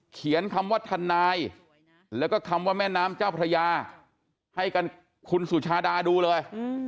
เขียนคำว่าทนายแล้วก็คำว่าแม่น้ำเจ้าพระยาให้กันคุณสุชาดาดูเลย